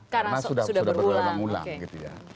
karena sudah berulang ulang gitu ya